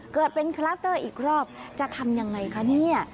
เกิดเป็นคลัสเตอร์อีกรอบจะทำยังไงคะเนี่ย